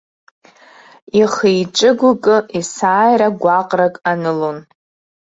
Ихы-иҿы гәыкы есааира гәаҟрак анылон.